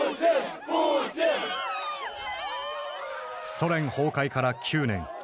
ソ連崩壊から９年。